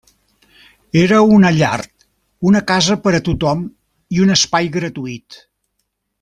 Era una llar, una casa per a tothom i un espai gratuït.